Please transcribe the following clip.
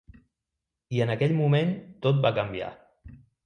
I en aquell moment tot va canviar.